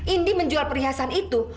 indy menjual perhiasan itu